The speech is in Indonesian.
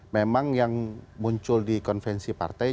memang yang muncul di konvensi partai